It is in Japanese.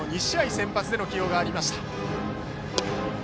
先発での起用がありました。